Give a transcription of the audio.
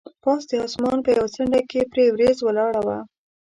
پاس د اسمان په یوه څنډه کې پرې وریځ ولاړه وه.